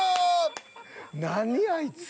何あいつ？